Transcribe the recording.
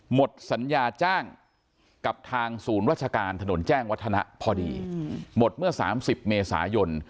หมดสัญญาจ้างกับทางศูนย์ราชการถนนแจ้งวัฒนะพอดีหมดเมื่อ๓๐เมษายน